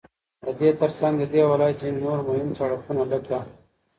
ددې ترڅنگ ددې ولايت ځينو نور مهم سړكونه لكه: